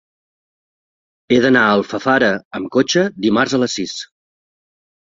He d'anar a Alfafara amb cotxe dimarts a les sis.